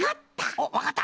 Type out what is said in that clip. おっわかった？